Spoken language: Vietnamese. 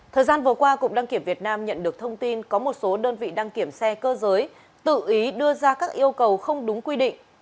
thời gian vừa qua cục đăng kiểm việt nam nhận được thông tin có một số đơn vị đăng kiểm xe cơ giới tự ý đưa ra các yêu cầu không đúng quy định